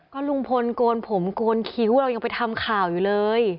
ก็ลุงพลโกนผมโกนคิ้วเรายังไปทำข่าวอยู่เลย